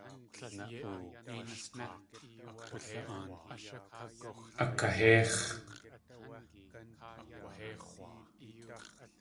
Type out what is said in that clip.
Akahéix̲.